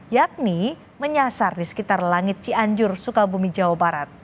yakni menyasar di sekitar langit cianjur sukabumi jawa barat